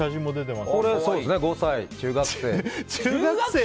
５歳、中学生。